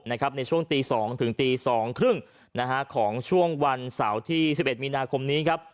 ในช่วงตี๒ถึงตี๒๓๐ของช่วงวันเสาร์ที่๑๑มีนาคมนี้ครับ